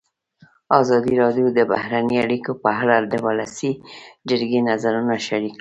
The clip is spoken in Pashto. ازادي راډیو د بهرنۍ اړیکې په اړه د ولسي جرګې نظرونه شریک کړي.